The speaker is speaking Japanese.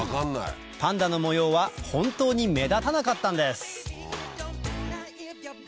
パンダの模様は本当に目立たなかったんです